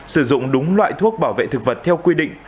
sử dụng đúng loại thuốc bảo vệ thực vật theo quy định